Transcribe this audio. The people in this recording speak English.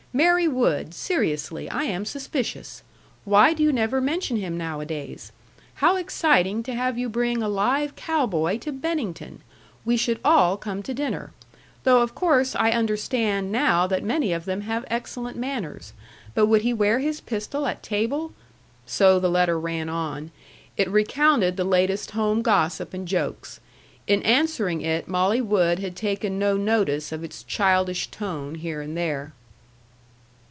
Mary Wood, seriously, I am suspicious. Why do you never mention him nowadays? How exciting to have you bring a live cow boy to Bennington! We should all come to dinner. Though of course I understand now that many of them have excellent manners. But would he wear his pistol at table?" So the letter ran on. It recounted the latest home gossip and jokes. In answering it Molly Wood had taken no notice of its childish tone here and there.